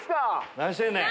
何してんねん！